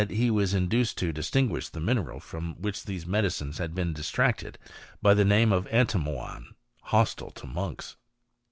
he was induced to distinguish the mineral from which these medicines . had been extracted, by the name of antimoine (hostile to monks).